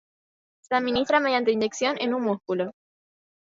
Se administra mediante inyección en un músculo.